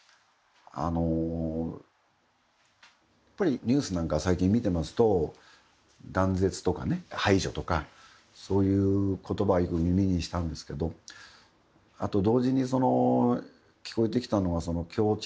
あのやっぱりニュースなんか最近見てますと断絶とかね排除とかそういうことばはよく耳にしたんですけどあと同時に聞こえてきたのは協調。